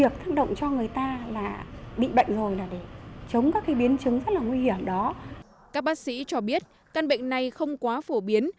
các bác sĩ cho biết căn bệnh này không quá phổ biến